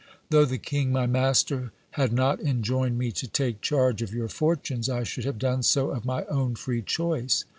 Though the king my master had not enjoined me to take charge of your fortunes, I should have done so of my own free choice.